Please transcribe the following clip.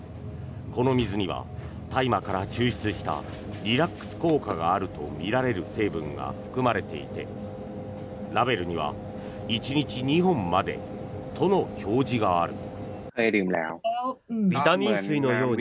この水には大麻から抽出したリラックス効果があるとみられる成分が含まれていてラベルには１日２本までとの表示がある。